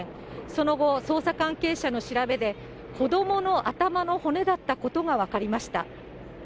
その後、捜査関係者の調べで、子どもの頭の骨だったことが分かりました。